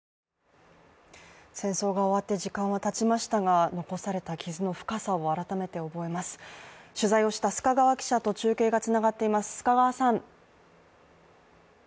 戦争が終わって時間はたちましたが残された傷の深さは改めて覚えます、取材をした須賀川記者と中継がつながっています。